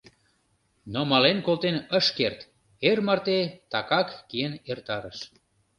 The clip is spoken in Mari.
Но мален колтен ыш керт, эр марте такак киен эртарыш.